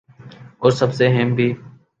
اور سب سے اہم بھی ۔